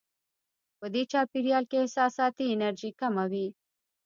په دې چاپېریال کې احساساتي انرژي کمه وي.